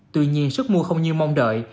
tuy nhiên sức mua không như mong đợi